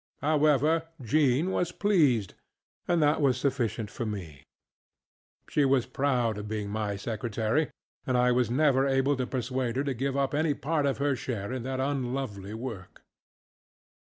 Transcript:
However, Jean was pleased, and that was sufficient for me. She was proud of being my secretary, and I was never able to persuade her to give up any part of her share in that unlovely work.